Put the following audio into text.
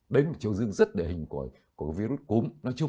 đấy là triều dương rất đề hình của virus cúm nói chung